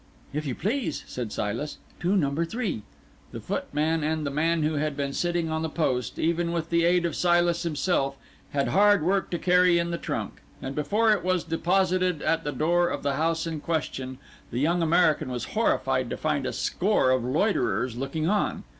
"If you please," said Silas. "To number three." The footman and the man who had been sitting on the post, even with the aid of Silas himself, had hard work to carry in the trunk; and before it was deposited at the door of the house in question, the young American was horrified to find a score of loiterers looking on.